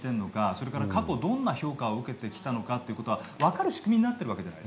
それから過去どんな評価を受けてきたのかということが分かる仕組みになっているんです。